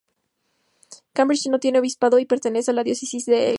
Cambridge no tiene obispado y pertenece a la diócesis de Ely.